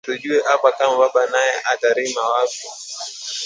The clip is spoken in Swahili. Atujue apa kama baba naye ata rima wapi